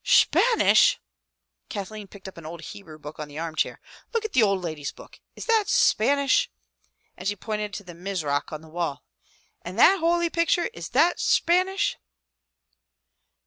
"Shpanish!" Kathleen picked up an old Hebrew book on the arm chair. "Look at the ould lady's book. Is that Shpanish?" And she pointed to the Mizrach on the wall. "And that houly picture, is that Shpanish?"